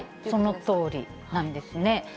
そのとおりなんですね。